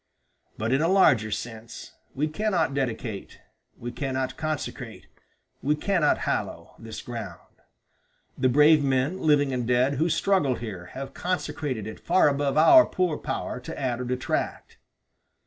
"But, in a larger sense, we cannot dedicate we cannot consecrate we cannot hallow this ground. The brave men, living and dead, who struggled here have consecrated it far above our poor power to add or detract.